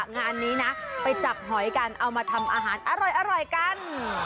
งานนี้นะไปจับหอยกันเอามาทำอาหารอร่อยกัน